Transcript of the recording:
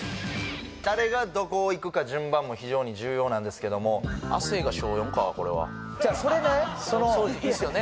誰がどこをいくか順番も非常に重要なんですけどもこれはちゃうそれねいいっすよね